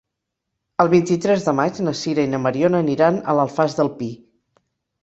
El vint-i-tres de maig na Sira i na Mariona aniran a l'Alfàs del Pi.